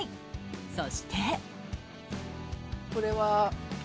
そして。